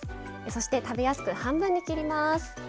そして食べやすく半分に切ります。